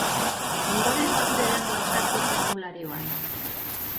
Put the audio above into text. Ondoren, zure datuak sartu formularioan.